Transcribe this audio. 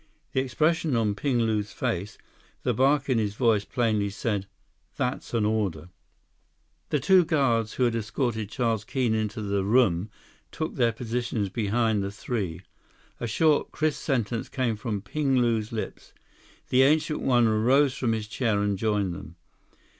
The expression on Ping Lu's face, the bark in his voice plainly said, "That's an order." 154 The two guards who had escorted Charles Keene into the room took their positions behind the three. A short, crisp sentence came from Ping Lu's lips. The Ancient One arose from his chair and joined them.